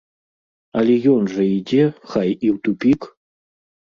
Але ён жа ідзе, хай і ў тупік!